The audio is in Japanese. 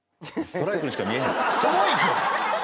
ストライクにしか見えへん。